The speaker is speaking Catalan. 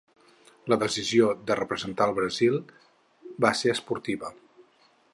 La decisió de representar el Brasil va ser esportiva.